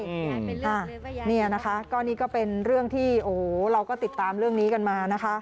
นี่นะคะก็นี่ก็เป็นเรื่องที่โอ้โหเราก็ติดตามเรื่องนี้กันมานะคะ